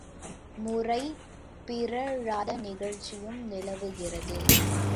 முறை பிறழாத நிகழ்ச்சியும் நிலவுகிறது.